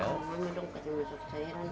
mama dong kecil masuk cairan